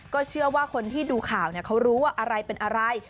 เชื่อว่าคนที่ดูข่าวเขารู้ว่าอะไรเป็นอะไร